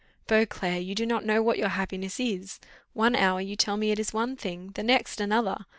"Beauclerc, you do not know what your happiness is. One hour you tell me it is one thing, the next another.